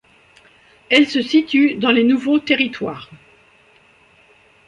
Elle se situe dans les Nouveaux Territoires.